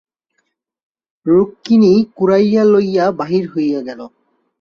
রুক্মিণী কুড়াইয়া লইয়া বাহির হইয়া গেল।